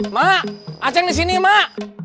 mak acing disini mak